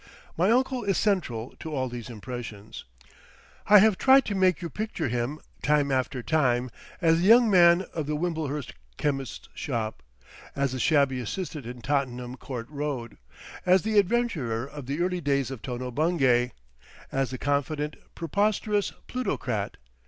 My uncle is central to all these impressions. I have tried to make you picture him, time after time, as the young man of the Wimblehurst chemist's shop, as the shabby assistant in Tottenham Court Road, as the adventurer of the early days of Tono Bungay, as the confident, preposterous plutocrat.